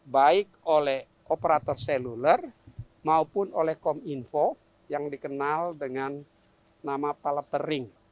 baik oleh operator seluler maupun oleh kominfo yang dikenal dengan nama palapering